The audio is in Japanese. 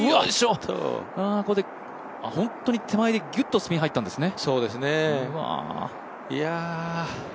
ここで本当に手前でギュッとスピン入ったんですね。